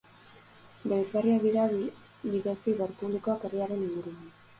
Bereizgarriak dira bidezidor publikoak herriaren inguruan.